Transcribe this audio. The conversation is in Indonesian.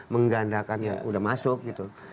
menggandakannya udah masuk gitu